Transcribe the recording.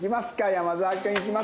山澤君いきますか。